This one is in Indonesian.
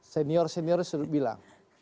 senior senior sudah bilang